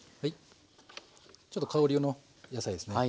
ちょっと香りの野菜ですね。